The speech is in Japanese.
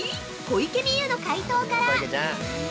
小池美由の解答から。